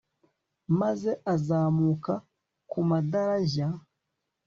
maze azamuka ku madarajya